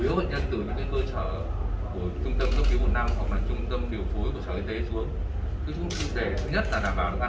vì vậy là cái nguồn bệnh nhân ở đây là từ những cơ sở y tế y tế chúng ta đã đảm bảo an toàn